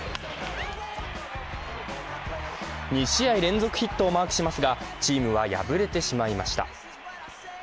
２試合連続ヒットをマークしますがチームは敗れてしまいました。